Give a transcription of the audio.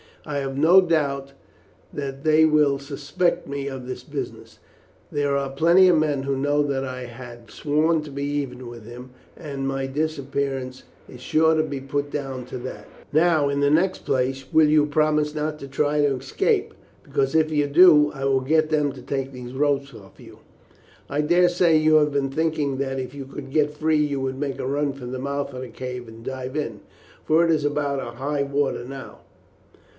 I have no doubt that they will suspect me of this business. There are plenty of men who know that I had sworn to be even with him, and my disappearance is sure to be put down to that. Now, in the next place, will you promise not to try to escape, because if you do, I will get them to take these ropes off you? I dare say you have been thinking that if you could get free you would make a run for the mouth of the cave and dive in, for it is about high water now."